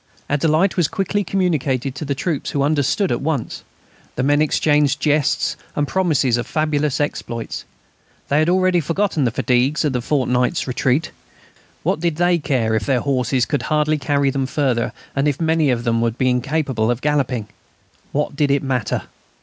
Our delight was quickly communicated to the troops, who understood at once. The men exchanged jests and promises of fabulous exploits. They had already forgotten the fatigues of the fortnight's retreat. What did they care if their horses could hardly carry them further, and if many of them would be incapable of galloping? What did it matter?